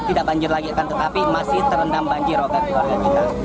tidak banjir lagi akan tetapi masih terendam banjir oleh keluarga kita